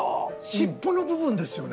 しっぽの部分ですよね。